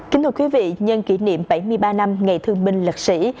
kính thưa quý vị nhân kỷ niệm bảy mươi ba năm ngày thương minh lật sĩ